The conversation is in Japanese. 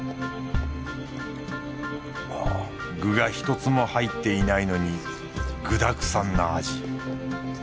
具がひとつも入っていないのに具だくさんな味。